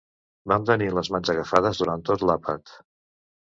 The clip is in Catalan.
Vam tenir les mans agafades durant tot l'àpat.